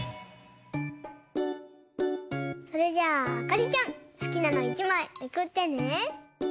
それじゃあかりちゃんすきなの１まいめくってね。